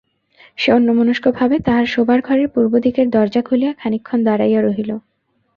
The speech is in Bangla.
সে অন্যমনস্কভাবে তাহার শোবার ঘরের পূর্ব দিকের দরজা খুলিয়া খানিকক্ষণ দাঁড়াইয়া রহিল।